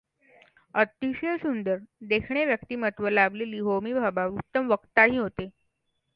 अतिशय सुंदर, देखणे व्यक्तीमत्त्व लाभालेले होमी भाभा उत्तम वक्ताही होते.